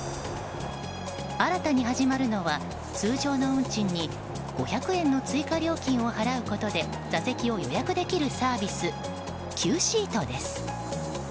新たに始まるのは通常の運賃に５００円の追加料金を払うことで座席を予約できるサービスＱＳＥＡＴです。